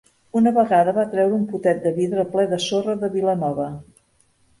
Una vegada va treure un potet de vidre ple de sorra de Vilanova.